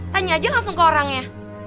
tanya aja langsung ke orangnya